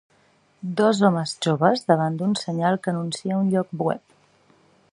Dos homes joves davant d'un senyal que anuncia un lloc web.